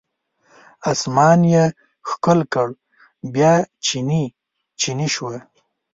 اسمان یې ښکل کړ بیا چینې، چینې شوه